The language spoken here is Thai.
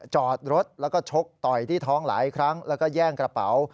จอดรถแล้วก็ชกต่อยที่ท้องหลายครั้งแล้วก็แย่งกระเป๋า